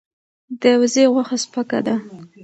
د وزې غوښه سپکه ده.